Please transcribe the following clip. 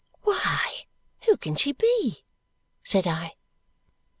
"Why, who can she be?" said I.